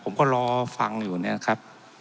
ผมก็รอฟังอยู่เนี่ยครับ